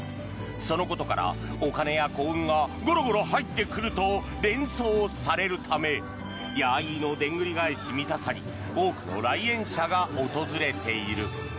そのことからお金や幸運がゴロゴロ入ってくると連想されるためヤーイーのでんぐり返し見たさに多くの来園者が訪れている。